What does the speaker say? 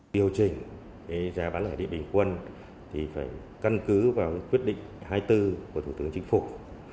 điều chỉnh giá bán lẻ điện bình quân thì phải căn cứ vào quyết định hai mươi bốn của thủ tướng chính phủ